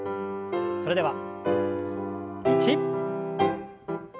それでは１。